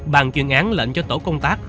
bàn chuyên án lệnh cho tổ công tác